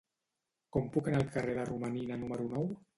Com puc anar al carrer del Romaninar número nou?